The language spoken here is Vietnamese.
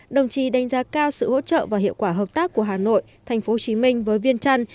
đồng chí đánh giá cao sự hỗ trợ và hiệu quả hợp tác của hà nội tp hcm với viên trăn